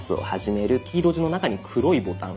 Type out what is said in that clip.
黄色地の中に黒いボタン。